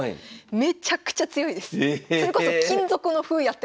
めちゃくちゃ強い。